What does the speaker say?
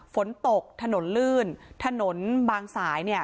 ฝนตกถนนลื่นถนนบางสายเนี่ย